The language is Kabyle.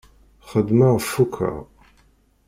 Xedmeɣ fukeɣ.